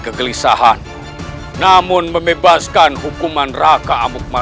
aku akan membalasnya